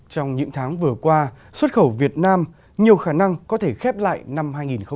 trong những tháng vừa qua xuất khẩu việt nam nhiều khả năng có thể khép lại năm hai nghìn hai mươi